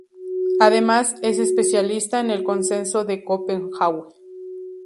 Además es especialista en el Consenso de Copenhague.